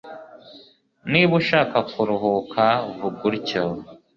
Niba ushaka kuruhuka, vuga utyo.